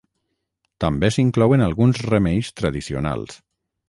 També s'inclouen alguns remeis tradicionals.